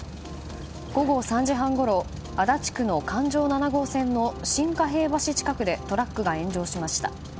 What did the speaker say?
午後３時半ごろ足立区の環状七号線の新加平橋近くでトラックが炎上しました。